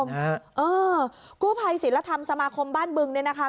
รับบาดเจ็บนะเออกู้ภัยศิลธรรมสมาคมบ้านบึงเนี่ยนะคะ